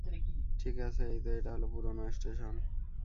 ঠিক আছে, এইতো, এটা হলো পুরোনো স্টেশন।